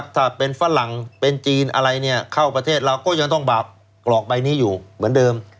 ถ้าเป็นฝรั่งเป็นจีนอะไรเนี่ยเข้าประเทศเราก็ยังต้องบาปกรอกใบนี้อยู่เหมือนเดิม